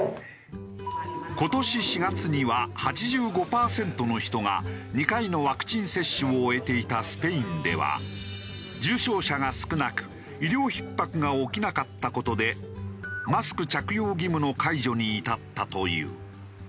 今年４月には８５パーセントの人が２回のワクチン接種を終えていたスペインでは重症者が少なく医療ひっ迫が起きなかった事でマスク着用義務の解除に至ったという。